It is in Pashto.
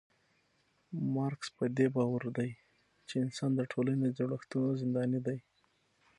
مارکس پدې باور دی چي انسان د ټولني د جوړښتونو زنداني دی